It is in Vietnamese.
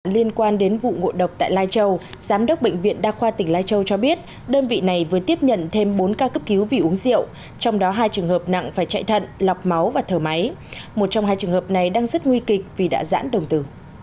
liên quan đến vụ ngộ độc tại lai châu giám đốc bệnh viện đa khoa tỉnh lai châu cho biết đơn vị này vừa tiếp nhận thêm bốn ca cấp cứu vì uống rượu trong đó hai trường hợp nặng phải chạy thận lọc máu và thở máy một trong hai trường hợp này đang rất nguy kịch vì đã giãn đồng tử